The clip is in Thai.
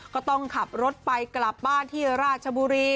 ก็ต้องขับรถไปกลับบ้านที่ราชบุรี